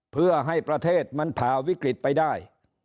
เพื่อให้ประเทศมันผ่าวิกฤตไปได้